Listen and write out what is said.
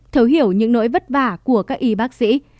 thấu hiểu những nỗi vất vả của các y bác sĩ